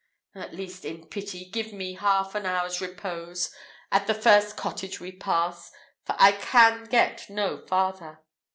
At least, in pity, give me half an hour's repose at the first cottage we pass, for I can get no farther!"